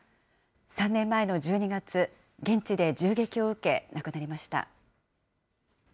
３年前の１２月、現地で銃撃を受け、亡くなりました。